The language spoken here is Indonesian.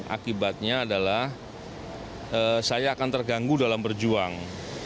akibatnya adalah saya akan terganggu dalam berjuang